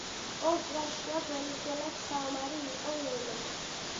ორ ზღას შუა ძველისძველად საომარი იყო ლელო